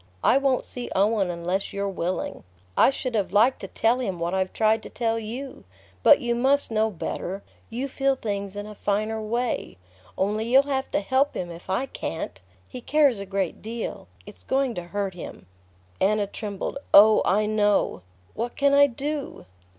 I won't see Owen unless you're willing. I should have liked to tell him what I've tried to tell you; but you must know better; you feel things in a finer way. Only you'll have to help him if I can't. He cares a great deal ... it's going to hurt him..." Anna trembled. "Oh, I know! What can I do?"